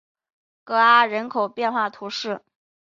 戈阿人口变化图示